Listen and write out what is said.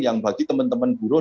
yang bagi teman teman buruh